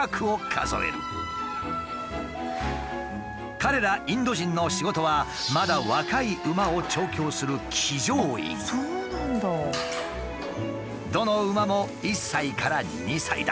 彼らインド人の仕事はまだ若い馬を調教するどの馬も１歳から２歳だ。